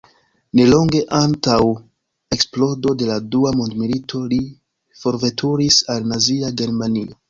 Nelonge antaŭ eksplodo de la Dua mondmilito li forveturis al Nazia Germanio.